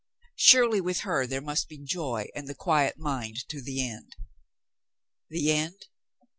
Surely with her there must be joy and the quiet mind to the end. The end?